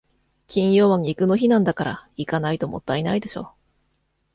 金曜は肉の日なんだから、行かないともったいないでしょ。